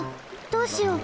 どうしよう！